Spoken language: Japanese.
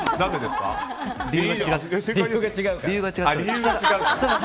理由が違うから。